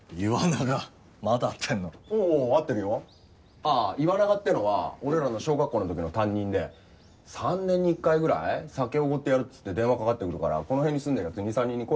ああ岩永ってのは俺らの小学校の時の担任で３年に１回ぐらい酒おごってやるっつって電話かかってくるからこの辺に住んでる奴２３人に声かけて飲むんだよ。